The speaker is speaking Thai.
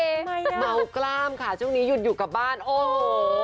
เมากล้ามค่ะช่วงนี้หยุดอยู่กับบ้านโอ้โห